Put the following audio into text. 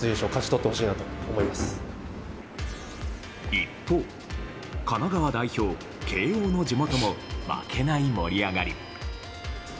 一方、神奈川代表、慶應の地元も負けない盛り上がり。